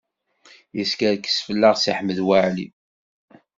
Yeskerkes fell-aɣ Si Ḥmed Waɛli.